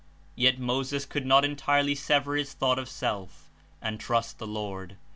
Yet Moses could not entirely sever his thought of self and trust the Lord.